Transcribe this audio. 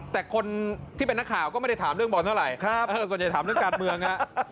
แต่คนที่เป็นนักข่าวก็ไม่ได้ถามเรื่องบอลเท่าไหร่ส่วนใหญ่ถามเรื่องการเมืองฮะ